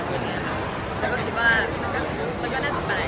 ซึ่งไม่ใช่ตัวเรามีเลย